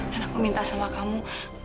dan aku minta sama kamu